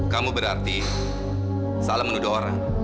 kamu berarti salah menuduh orang